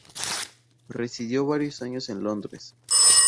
Residió varios años en Londres.